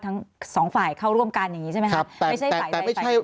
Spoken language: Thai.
ทั้งสองฝ่ายเข้าร่วมกันอย่างนี้ใช่ไหมครับ